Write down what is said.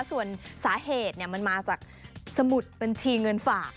ส่วนสาเหตุมันมาจากสมุดบัญชีเงินฝาก